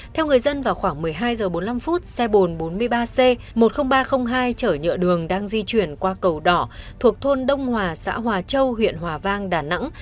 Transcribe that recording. theo người dân vào khoảng một mươi hai h bốn mươi năm xe bồn bốn mươi ba c một mươi nghìn ba trăm linh hai chở nhựa đường đang di chuyển qua cầu đỏ thuộc thôn đông hòa xã hòa châu huyện hòa vang đà nẵng